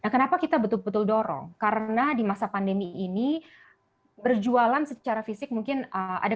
kenapa kita betul betul dorong karena di masa pandemi ini berjualan secara fisik mungkin ada